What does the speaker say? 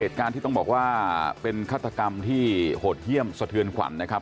เหตุการณ์ที่ต้องบอกว่าเป็นฆาตกรรมที่โหดเยี่ยมสะเทือนขวัญนะครับ